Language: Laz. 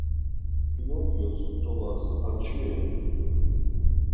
Pinokyos t̆obas amçvireni?